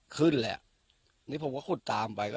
ขึ้นแหละนี่ผมก็คุดจ่างไป